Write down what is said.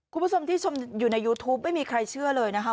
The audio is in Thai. คุณผู้ชมที่ชมอยู่ในยูทูปไม่มีใครเชื่อเลยนะคะ